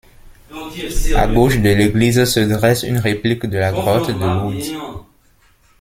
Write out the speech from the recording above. À gauche de l'église se dresse une réplique de la grotte de Lourdes.